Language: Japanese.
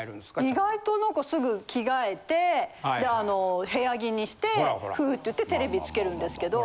意外と何かすぐ着替えてであの部屋着にしてふうって言ってテレビつけるんですけど。